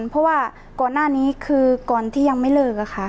เพราะว่าก่อนหน้านี้คือก่อนที่ยังไม่เลิกค่ะ